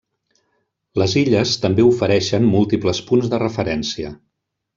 Les illes també ofereixen múltiples punts de referència.